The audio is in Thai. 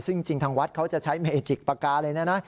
ซึ่งจริงทางวัดเขาจะใช้เมจิกประกาศเลยนะ